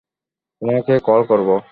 তোমাকে কল করব।